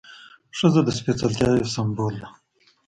ښځه د سپېڅلتیا یو سمبول ده.